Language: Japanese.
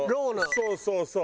そうそうそう。